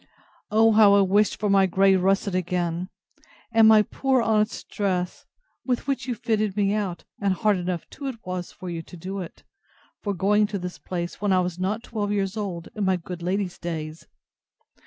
—O how I wished for my grey russet again, and my poor honest dress, with which you fitted me out, (and hard enough too it was for you to do it!) for going to this place, when I was not twelve years old, in my good lady's days!